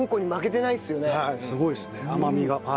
すごいですね甘みが。